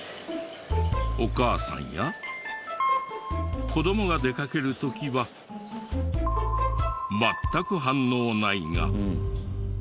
お母さんや子どもが出かける時は全く反応ないが。